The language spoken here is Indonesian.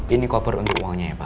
ini koper untuk uangnya ya pak